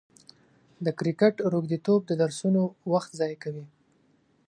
د کرکټ روږديتوب د درسونو وخت ضايع کوي.